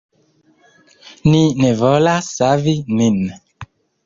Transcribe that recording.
Ni ne volas savi nin.